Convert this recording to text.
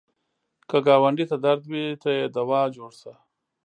که ګاونډي ته درد وي، ته یې دوا جوړ شه